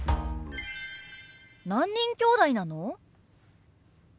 何人きょうだいなの？